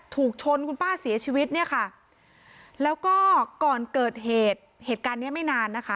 ถูกชนคุณป้าเสียชีวิตเนี่ยค่ะแล้วก็ก่อนเกิดเหตุเหตุการณ์เนี้ยไม่นานนะคะ